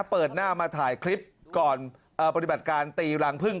เปิดหน้ามาถ่ายคลิปก่อนปฏิบัติการตีรังพึ่ง